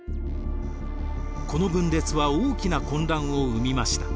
この分裂は大きな混乱を生みました。